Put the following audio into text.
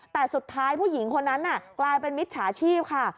แต่สุดท้ายผู้หญิงคนนั้นกลายเป็นมิจฉาชีพค่ะ